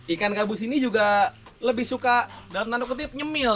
ikan gabus ini juga lebih suka dalam tanda kutip nyemil